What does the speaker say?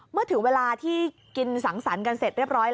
เมื่อถึงเวลาที่กินสังสรรค์กันเสร็จเรียบร้อย